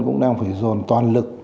cũng đang phải dồn toàn lực